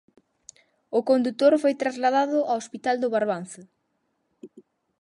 O condutor foi trasladado ao hospital do Barbanza.